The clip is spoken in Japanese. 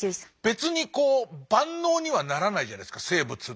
別にこう万能にはならないじゃないですか生物って。